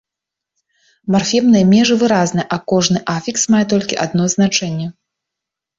Марфемныя межы выразныя, а кожны афікс мае толькі адно значэнне.